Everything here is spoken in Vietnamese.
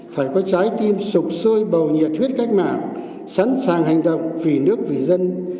phải có trái tim sụp sôi bầu nhiệt huyết cách mạng sẵn sàng hành động vì nước vì dân